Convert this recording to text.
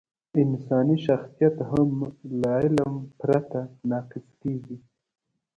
انساني شخصیت هم له علم پرته ناقص کېږي.